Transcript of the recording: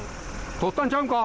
とったんちゃうんか？